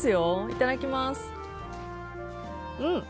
いただきます。